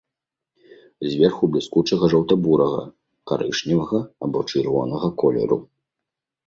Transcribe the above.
Зверху бліскучага жоўта-бурага, карычневага або чырвонага колеру.